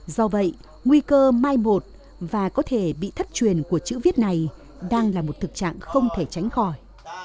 do vậy nguy cơ mai một và có thể bị thất truyền của chữ viết này đang là một thực trạng không thể tránh khỏi